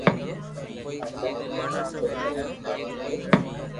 ھاچا ھردا مون ڪوئي تلاݾ ڪريو ھي